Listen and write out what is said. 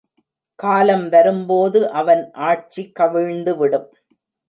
காலம் வரும்போது அவன் ஆட்சி கவிழ்ந்துவிடும்.